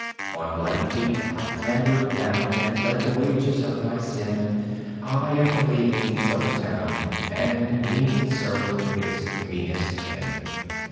On bloody feet I clambered down And fled the wages of my sin, I am the leavings of the town, And meanly serve its meanest inn.